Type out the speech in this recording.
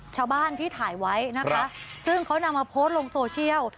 ชาวบ้านที่ถ่ายไว้นะคะซึ่งเขานำมาโพสต์ลงโซเชียล